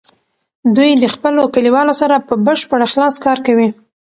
دوی د خپلو کلیوالو سره په بشپړ اخلاص کار کوي.